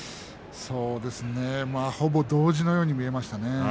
そうですねほぼ同時のように見えましたね。